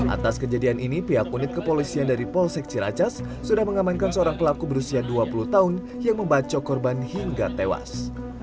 atas kejadian ini pihak unit kepolisian dari polsek ciracas sudah mengamankan seorang pelaku berusia dua puluh tahun yang membacok korban hingga tewas